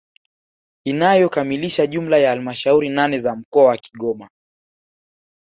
inayokamilisha jumla ya halmashauri nane za mkoa wa Kigoma